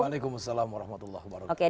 waalaikumsalam warahmatullahi wabarakatuh